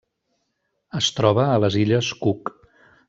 Es troba a les Illes Cook.